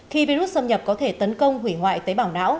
khi virus xâm nhập có thể tấn công hủy hoại tế bào não